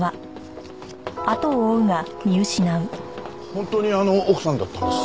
本当にあの奥さんだったんですか？